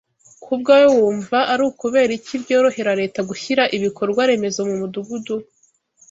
Ku bwawe wumva ari ukubera iki byorohera Leta gushyira ibikorwa remezo mu mudugudu